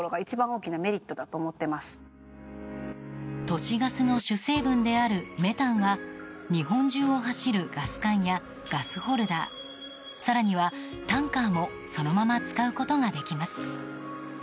都市ガスの主成分であるメタンは日本中を走るガス管やガスホルダー更にはタンカーもそのまま使うことができます。